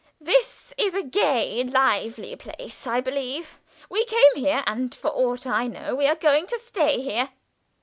This is a gay, lively place, I believe we came here, and for aught I know we are going to stay here."